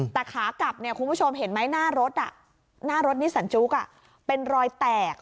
แต่ขากลับเนี่ยคุณผู้ชมเห็นไหมหน้ารถหน้ารถนิสันจุ๊กเป็นรอยแตก